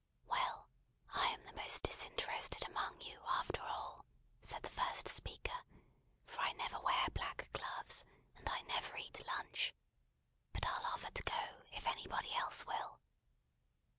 "Well, I am the most disinterested among you, after all," said the first speaker, "for I never wear black gloves, and I never eat lunch. But I'll offer to go, if anybody else will.